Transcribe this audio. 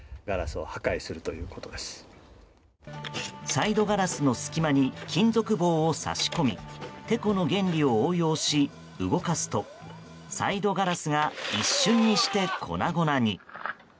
サイドガラスの隙間に金属棒を差し込みテコの原理を応用し、動かすとサイドガラスが一瞬にして粉々に。